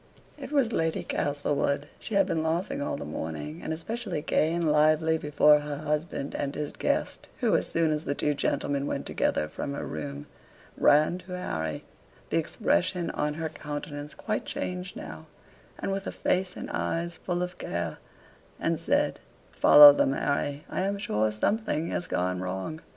It was Lady Castlewood she had been laughing all the morning, and especially gay and lively before her husband and his guest who as soon as the two gentlemen went together from her room, ran to Harry, the expression of her countenance quite changed now, and with a face and eyes full of care, and said, "Follow them, Harry, I am sure something has gone wrong."